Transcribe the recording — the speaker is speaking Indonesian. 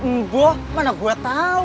nggoh mana gua tau